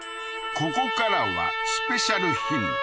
ここからはスペシャルヒント